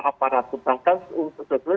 aparatus bahkan untuk